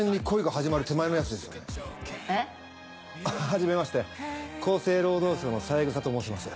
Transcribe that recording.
はじめまして厚生労働省の三枝と申します。